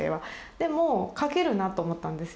でも書けるなと思ったんですよ。